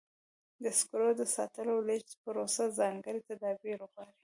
د سکرو د ساتلو او لیږد پروسه ځانګړي تدابیر غواړي.